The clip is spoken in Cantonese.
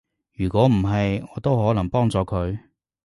如果唔係，我都可能幫咗佢